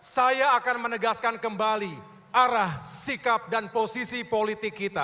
saya akan menegaskan kembali arah sikap dan posisi politik kita